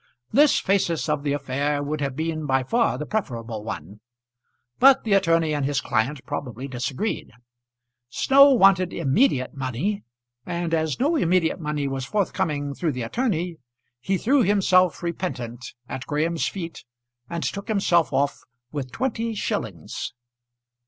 This phasis of the affair would have been by far the preferable one; but the attorney and his client probably disagreed. Snow wanted immediate money, and as no immediate money was forthcoming through the attorney, he threw himself repentant at Graham's feet, and took himself off with twenty shillings.